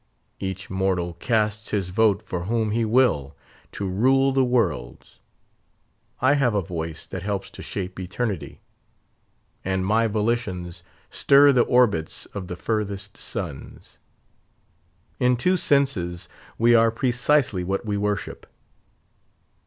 Each mortal casts his vote for whom he will to rule the worlds; I have a voice that helps to shape eternity; and my volitions stir the orbits of the furthest suns. In two senses, we are precisely what we worship.